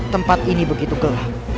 tempat ini begitu gelap